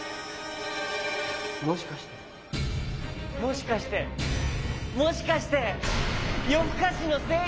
もしかしてもしかしてもしかしてよふかしのせい？